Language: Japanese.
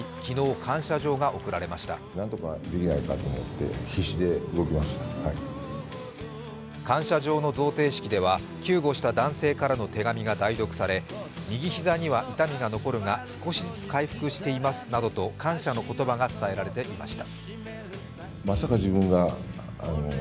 感謝状の贈呈式では救護した男性からの手紙が代読され右膝には痛みが残るが少しずつ回復していますなどと感謝の言葉が伝えられていました。